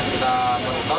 kita akan berputar